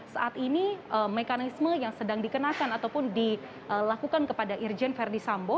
saat ini mekanisme yang sedang dikenakan ataupun dilakukan kepada irjen verdi sambo